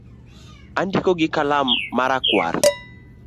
Andiko gi kalam ma rakwar